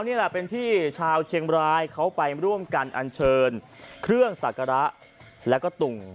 นี่แหละเป็นที่ชาวเชียงบรายเขาไปร่วมกันอันเชิญเครื่องสักการะแล้วก็ตุง